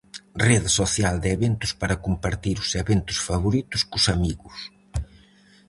Rede social de eventos para compartir os eventos favoritos cos amigos.